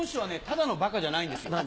ただのバカじゃないんですよ。